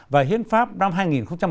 và các báo cáo của đảng cộng sản việt nam